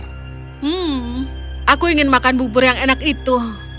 hmm aku ingin makan bubur yang enak itu